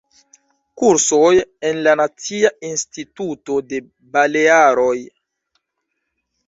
Kursoj en la Nacia Instituto de Balearoj.